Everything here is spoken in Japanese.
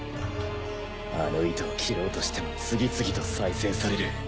あの糸を切ろうとしても次々と再生される。